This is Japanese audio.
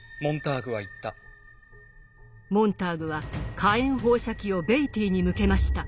モンターグは火炎放射器をベイティーに向けました。